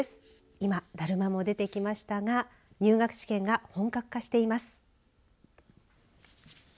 今、だるまも出てきましたが入学試験が本格化しています。